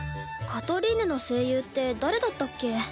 カトリーヌの声優って誰だったっけ？